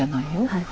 はい。